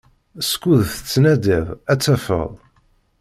Skud tettnadiḍ ad tafeḍ.